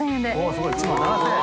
すごい１万７０００円